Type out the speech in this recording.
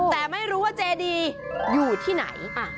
แต่ไม่รู้ว่าเจดีอยู่ที่ไหน